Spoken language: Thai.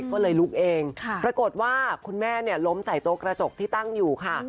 ก็เลยลุกเองปรากฏว่าคุณแม่ล้มใส่โต๊ะกระจกที่ตั้งอยู่ค่ะ